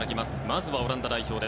まずはオランダ代表。